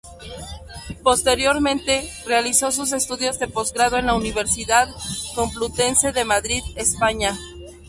Posteriormente, realizó estudios de posgrado en la Universidad Complutense de Madrid, España.